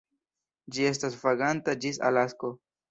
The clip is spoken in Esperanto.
Ĝi estas vaganta ĝis Alasko.